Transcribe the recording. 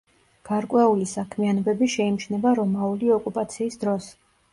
გარკვეული საქმიანობები შეიმჩნევა რომაული ოკუპაციის დროს.